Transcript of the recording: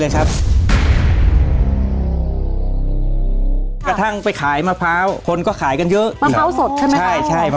กระทั่งไปขายมะพร้าวคนก็ขายกันเยอะ